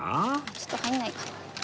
ちょっと入らないか。